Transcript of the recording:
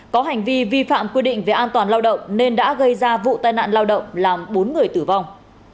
có hành vi vi phạm quy định về an toàn lao động nên đã gây ra vụ tai nạn lao động làm bốn người tử vong